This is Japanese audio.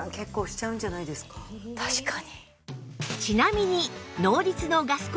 確かに。